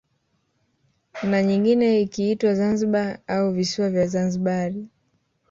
Na nyingine ikiitwa Zanzibari au visiwa vya Zanzibari